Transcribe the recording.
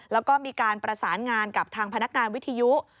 แล้วก็มีการประสานงานกับทางพนักงานวิทยุ